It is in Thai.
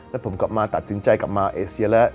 แล้วผมกลับมาตัดสินใจกลับมาเอเซียแล้ว